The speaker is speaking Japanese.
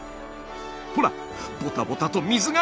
ほらボタボタと水が！